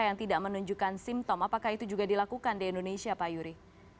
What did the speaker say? yang tidak menunjukkan simptom apakah itu juga dilakukan di indonesia pak yuri